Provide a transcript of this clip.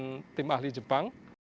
dengan tim ahli jepang